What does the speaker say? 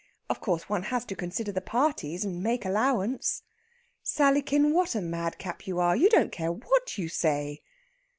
Of course, one has to consider the parties and make allowance." "Sallykin, what a madcap you are! You don't care what you say."